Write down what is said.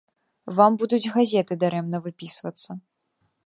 Вам будуць газеты дарэмна выпісвацца.